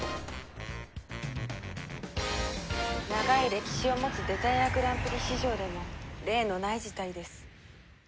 長い歴史を持つデザイアグランプリ史上でも例のない事態です。